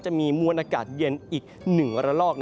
จะมีมวลอากาศเย็นอีก๑ระลอก